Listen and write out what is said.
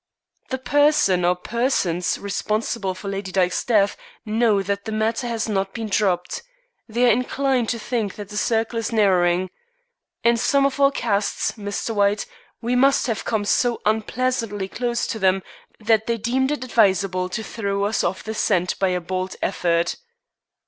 "The person, or persons, responsible for Lady Dyke's death know that the matter has not been dropped. They are inclined to think that the circle is narrowing. In some of our casts, Mr. White, we must have come so unpleasantly close to them, that they deemed it advisable to throw us off the scent by a bold effort."